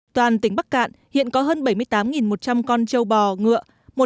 toàn tỉnh bắc cạn hiện có hơn bảy mươi tám một trăm linh con châu bò ngựa